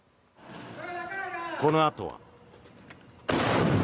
このあとは。